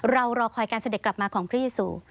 เรารอคอยการเสด็จกลับมาของพระเยซู